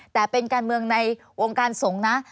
แต่เป็นการเมืองในวงการสงฆ์นะ